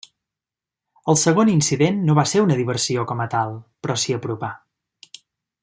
El segon incident no va ser una diversió com a tal, però s'hi apropà.